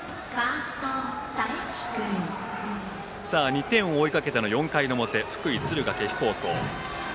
２点を追っての４回表福井・敦賀気比高校。